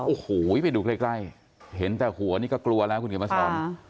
โอ้โหไปดูใกล้เห็นแต่หัวนี่ก็กลัวแล้วคุณเขียนมาสอน